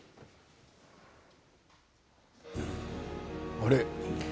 あれ？